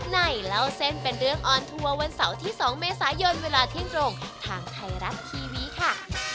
เล่าเส้นเป็นเรื่องออนทัวร์วันเสาร์ที่๒เมษายนเวลาเที่ยงตรงทางไทยรัฐทีวีค่ะ